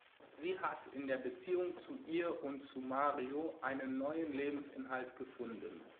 Sie hat in der Beziehung zu ihr und zu Mario einen neuen Lebensinhalt gefunden.